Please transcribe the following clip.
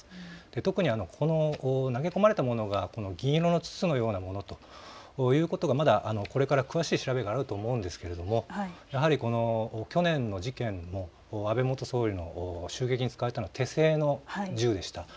特にこの投げ込まれたものが銀色の筒のようなものということがまだこれから詳しい調べがあると思うんですけれどもやはり去年の事件も安倍元総理の衝撃に使われたのは手製の銃でした。